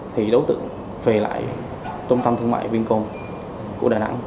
thì đối tượng về lại trung tâm thương mại vincom của đà nẵng